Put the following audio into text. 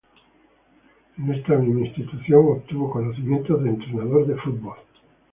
En esta misma institución, obtuvo conocimientos de entrenador de fútbol.